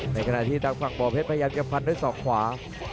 ในขณะที่ทางฝั่งบ่อเพชรพยายามจะฟันด้วยศอกขวา